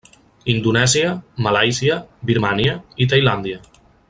Indonèsia, Malàisia, Birmània i Tailàndia.